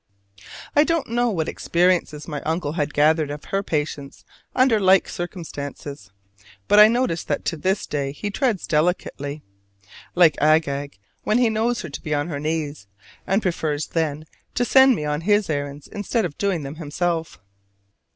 I don't know what experience my uncle had gathered of her patience under like circumstances: but I notice that to this day he treads delicately, like Agag, when he knows her to be on her knees; and prefers then to send me on his errands instead of doing them himself.